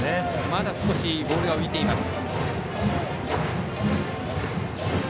まだ少しボールが浮いています。